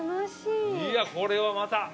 いやこれはまた。